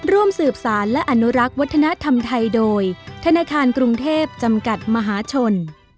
ร่วมสืบสารและอนุรักษ์วัฒนธรรมไทยโดยธนาคารกรุงเทพจำกัดมหาชน